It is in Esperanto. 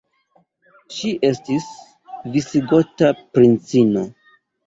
Ŝi estis visigota princino.